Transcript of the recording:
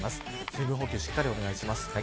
水分補給をしっかりお願いします。